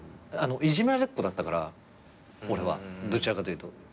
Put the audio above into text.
いじめられっ子だったから俺はどちらかというと。